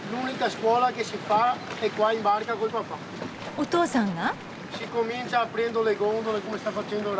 お父さんが。